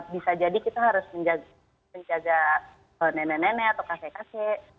bisa jadi kita harus menjaga nenek nenek atau kakek kakek